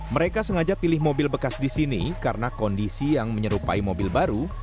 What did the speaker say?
mereka sengaja pilih mobil bekas di sini karena kondisi yang menyerupai mobil baru